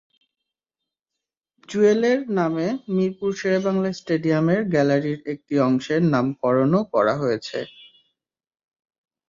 জুয়েলের নামে মিরপুর শেরেবাংলা স্টেডিয়ামের গ্যালারির একটি অংশের নামকরণও করা হয়েছে।